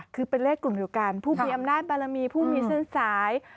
คือเป็นเลขกลุ่มเดียวกันผู้มีอำนาจบารมีผู้มีเส้นสาย